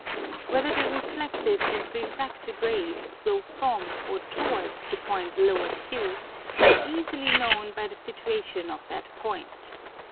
Whether the reflected and refracted Rays flow from or towards the Point q is easily known by the situation of that Point.